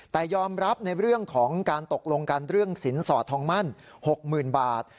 แต่ยอมรับในเรื่องของการตกลงกันเรื่องสินสอดทองมั่น๖๐๐๐บาท